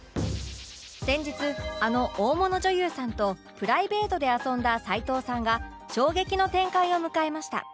先日あの大物女優さんとプライベートで遊んだ齊藤さんが衝撃の展開を迎えました